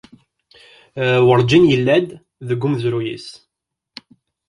Werǧin yella-d deg umezruy-is.